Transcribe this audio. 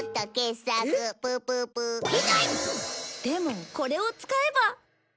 でもこれを使えば。